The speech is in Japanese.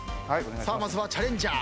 さあまずはチャレンジャー。